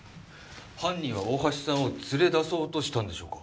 犯人は大橋さんを連れ出そうとしたんでしょうか？